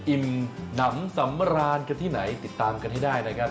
อิ่มหนำสำราญกันที่ไหนติดตามกันให้ได้นะครับ